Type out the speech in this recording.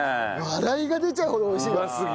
笑いが出ちゃうほど美味しいんだ。